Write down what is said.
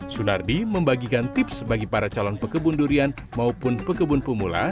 sunardi membagikan tips bagi para calon pekebun durian maupun pekebun pemula